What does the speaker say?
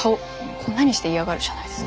こんなにして嫌がるじゃないですか。